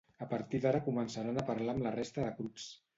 A partir d’ara començaran a parlar amb la resta de grups.